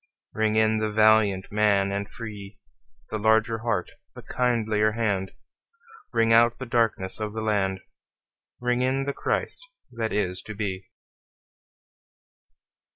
Ring in the valiant man and free, The larger heart, the kindlier hand; Ring out the darkenss of the land, Ring in the Christ that is to be.